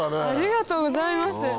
ありがとうございます。